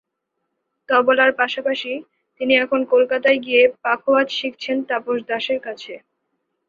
তবলার পাশাপাশি তিনি এখন কলকাতায় গিয়ে পাখোয়াজ শিখছেন তাপস দাশের কাছে।